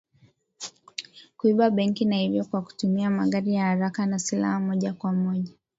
kuiba benki na hivyo kwa kutumia magari ya haraka na silaha moja kwa moja